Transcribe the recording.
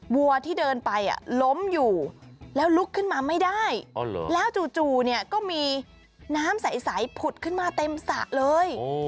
วัวที่เดินไปล้มอยู่แล้วลุกขึ้นมาไม่ได้แล้วจู่เนี่ยก็มีน้ำใสผุดขึ้นมาเต็มสระเลย